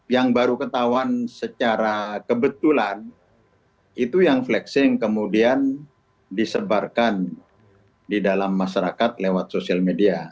yang baru ketahuan secara kebetulan itu yang flexing kemudian disebarkan di dalam masyarakat lewat sosial media